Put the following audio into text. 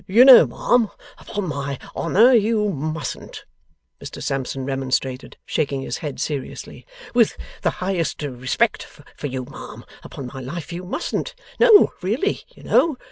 You know ma'am. Upon my honour you mustn't,' Mr Sampson remonstrated, shaking his head seriously, 'With the highest respect for you, ma'am, upon my life you mustn't. No really, you know.